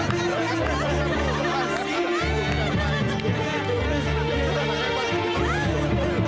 aku capek mau pulang